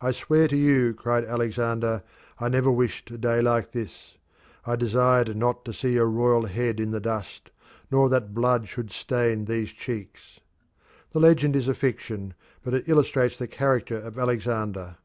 "I swear to you," cried Alexander, "I never wished a day like this. I desired not to see your royal head in the dust, nor that blood should stain these cheeks." The legend is a fiction, but it illustrates the character of Alexander.